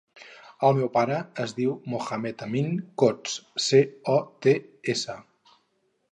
El meu pare es diu Mohamed amin Cots: ce, o, te, essa.